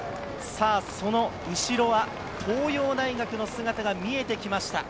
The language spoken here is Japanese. その後ろは東洋大学の姿が見えてきました。